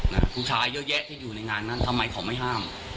ผู้ชายเยอะแยะที่อยู่ในงานนั้นทำไมเขาไม่ห้าม